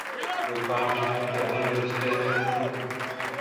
Doufám, že v tomto ohledu dospějeme k pokroku.